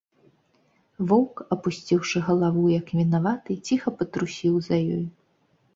Воўк, апусціўшы галаву, як вінаваты, ціха патрусіў за ёю.